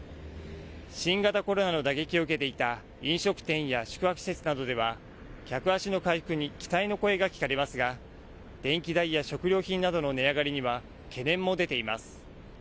新型コロナの打撃を受けていた飲食店や宿泊施設などでは客足の回復に期待の声が聞かれますが電気代や食料品などの値上がりには懸念も出ています。